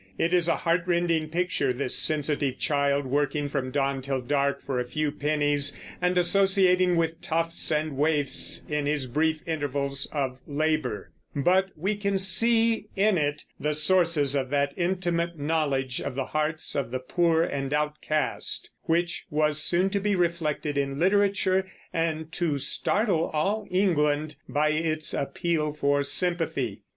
It is a heart rending picture, this sensitive child working from dawn till dark for a few pennies, and associating with toughs and waifs in his brief intervals of labor; but we can see in it the sources of that intimate knowledge of the hearts of the poor and outcast which was soon to be reflected in literature and to startle all England by its appeal for sympathy.